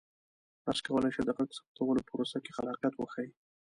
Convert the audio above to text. تاسو کولی شئ د غږ ثبتولو په پروسه کې خلاقیت وښایئ.